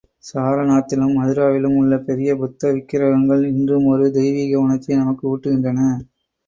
சாரநாத்திலும், மதுராவிலும் உள்ள பெரிய புத்த விக்கிரகங்கள் இன்றும் ஒரு தெய்வீக உணர்ச்சியை நமக்கு ஊட்டுகின்றன.